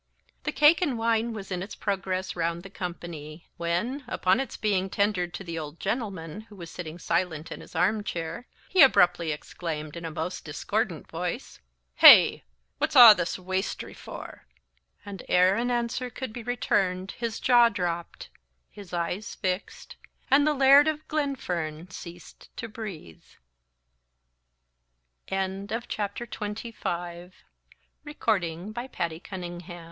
The cake and wine was in its progress round the company; when, upon its being tendered to the old gentleman, who was sitting silent in his arm chair, he abruptly exclaimed, in a most discordant voice, "Hey! what's a' this wastery for?" and ere an answer could be returned his jaw dropped, his eyes fixed, and the Laird of Glenfern ceased to breathe! CHAPTER XXVI. "They say miracles are past; and we have our philosophical persons to make m